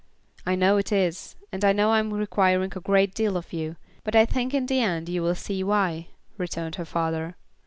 "I know it is, and I know I'm requiring a great deal of you, but I think in the end you will see why," returned her father.